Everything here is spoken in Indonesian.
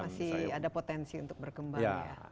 masih ada potensi untuk berkembang ya